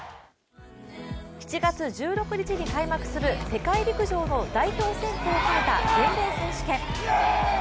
７月１６日に開幕する世界陸上の代表選考会を兼ねた全米選手権。